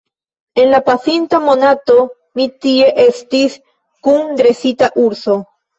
En la pasinta monato mi tie estis kun dresita urso.